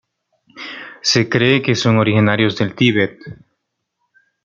Se cree que son originarios del Tíbet.